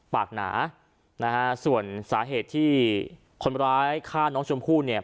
หนานะฮะส่วนสาเหตุที่คนร้ายฆ่าน้องชมพู่เนี่ย